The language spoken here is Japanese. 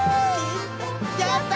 やった！